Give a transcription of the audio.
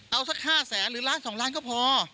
เอาสัก๕แสนหรือล้าน๒ล้านก็พอ